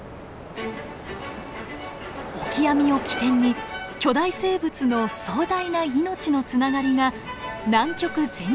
オキアミを起点に巨大生物の壮大な命のつながりが南極全体に広がっているのです。